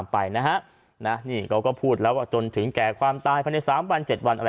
มีอันเป็นไปจนถึงแก่ความตายภายในสามวันเจ็ดวัน